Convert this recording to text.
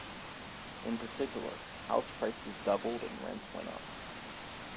In particular, house prices doubled and rents went up.